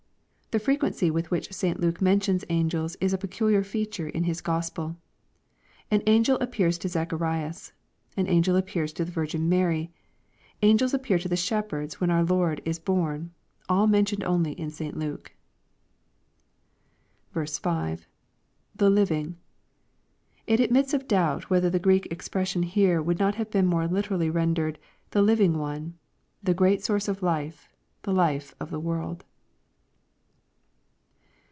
The fre quency with which St Luke mentions angels is a peculiar feature in his Gospel. An angel appears to Zacharias, an angel appears to the virgin Mary, angels appear to the shepherds when our Lord is born, aU mentioned only in St Luke. 5. — [The living.] It admits of doubt whether the Greek expression here would not have been more literally rendered, "the living one," — ^the great source of life, the life of tie world.